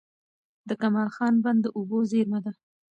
د کمال خان بند د اوبو زېرمه ده.